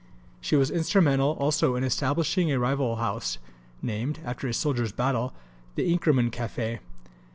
She was instrumental also in establishing a rival house, named, after a soldiers' battle, the "Inkerman Café."